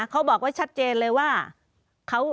เขาบอกไว้ชัดเจนเลยว่า